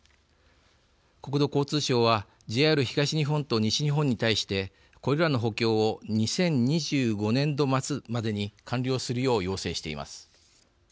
国土交通省はＪＲ東日本と西日本に対してこれらの補強を２０２５年度末までに完了するよう要請しています。